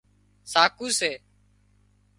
ساڪُو سي